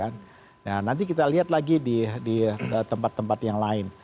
nah nanti kita lihat lagi di tempat tempat yang lain